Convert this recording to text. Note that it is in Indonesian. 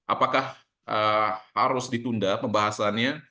apakah harus ditunda pembahasannya